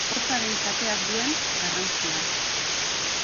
Hotzaren kateak duen garrantzia.